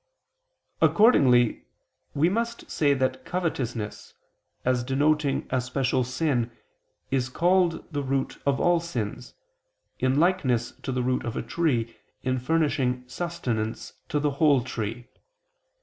Accordingly, we must say that covetousness, as denoting a special sin, is called the root of all sins, in likeness to the root of a tree, in furnishing sustenance to the whole tree.